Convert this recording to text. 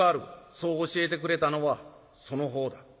そう教えてくれたのはその方だ。